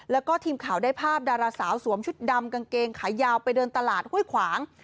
แล้วก็ทีมข่าวได้ภาพดาราสาวสวมชุดดำกางเกงขายาวไปเดินตลาดห้วยขวาง